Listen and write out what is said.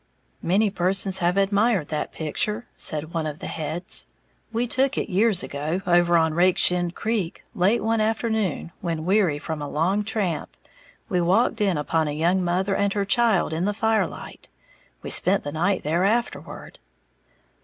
"Many persons have admired that picture," said one of the heads; "we took it years ago, over on Rakeshin Creek, late one afternoon when, weary from a long tramp, we walked in upon a young mother and her child in the firelight. We spent the night there afterward."